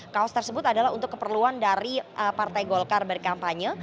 kaos tersebut adalah untuk keperluan dari partai golkar berkampanye